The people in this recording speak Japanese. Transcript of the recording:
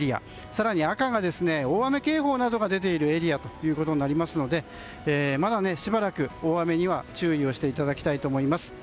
更に、赤が大雨警報などが出ているエリアとなりますのでまだしばらく大雨には注意していただきたいと思います。